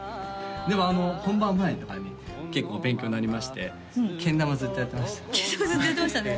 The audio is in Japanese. でも本番前とかに結構勉強になりましてけん玉ずっとやってましたけん玉ずっとやってましたね